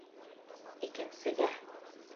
Икенсегә.